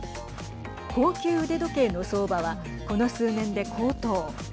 高級腕時計の相場はこの数年で高騰。